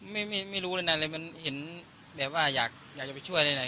ไม่รู้เลยนะิแลคว่าอยากจะไปช่วยอะไรเลย